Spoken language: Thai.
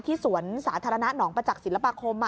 สวนสาธารณะหนองประจักษ์ศิลปาคม